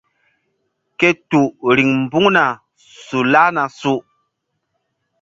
Ke tul riŋ mbuŋna su lahna su.